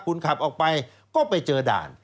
คุณขับออกไปก็ไปเจอด่าน